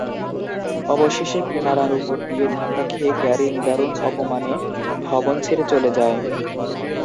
অবশেষে কিনারার উপর দিয়ে ধাক্কা খেয়ে, ক্যারি নিদারুণ অপমানে ভবন ছেড়ে চলে যায়।